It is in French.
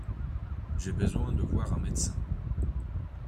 J’ai besoin de voir un médecin.